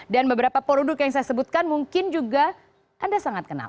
beberapa produk yang saya sebutkan mungkin juga anda sangat kenal